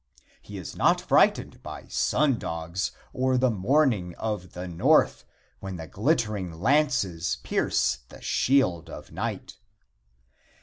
He is not frightened by sun dogs, or the Morning of the North when the glittering lances pierce the shield of night.